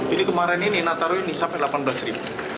ini kemarin ini nataru ini sampai delapan belas ribu